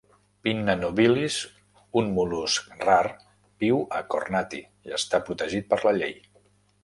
"Pinna nobilis", un mol·lusc rar, viu a Kornati i està protegit per la llei.